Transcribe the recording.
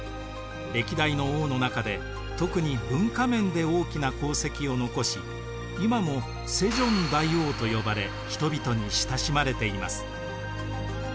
歴代の王の中で特に文化面で大きな功績を残し今も世宗大王と呼ばれ人々に親しまれています。